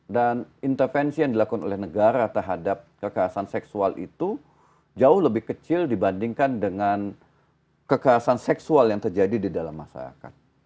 dan intervensi yang dilakukan oleh negara terhadap kekerasan seksual itu jauh lebih kecil dibandingkan dengan kekerasan seksual yang terjadi di dalam masyarakat